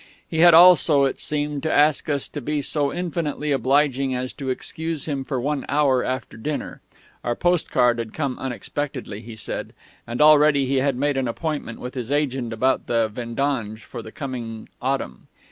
He had also, it seemed, to ask us to be so infinitely obliging as to excuse him for one hour after dinner our postcard had come unexpectedly, he said, and already he had made an appointment with his agent about the vendange for the coming autumn....